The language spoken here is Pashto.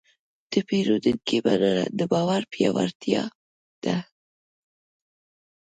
د پیرودونکي مننه د باور پیاوړتیا ده.